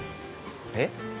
えっ？